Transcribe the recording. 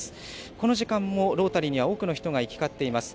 この時間もロータリーには、多くの人が行き交っています。